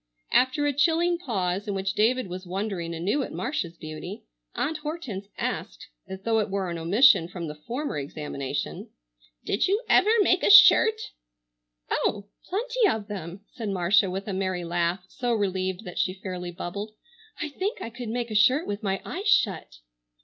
After a chilling pause in which David was wondering anew at Marcia's beauty, Aunt Hortense asked, as though it were an omission from the former examination, "Did you ever make a shirt?" "Oh, plenty of them!" said Marcia, with a merry laugh, so relieved that she fairly bubbled. "I think I could make a shirt with my eyes shut."